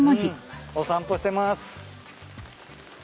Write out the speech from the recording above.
お散歩してます。